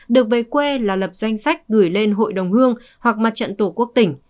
được về quê là lập danh sách gửi lên hội đồng hương hoặc mặt trận tổ quốc tỉnh